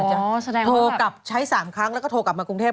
โทรกลับใช้๓ครั้งแล้วก็โทรกลับมากรุงเทพ